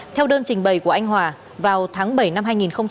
theo đơn trình bày của anh hòa vào tháng bảy năm hai nghìn một mươi chín